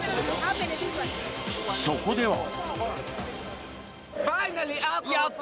そこでは。